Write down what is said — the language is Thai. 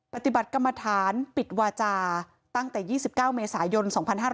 ปฏิบัติกรรมฐานปิดวาจาตั้งแต่๒๙เมษายน๒๕๕๙